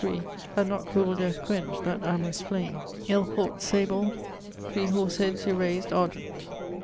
23), had not cruel death quench't that amorous flame. Il port 'sable, 3 horse heads erased argent.'